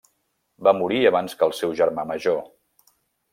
Va morir abans que el seu germà major.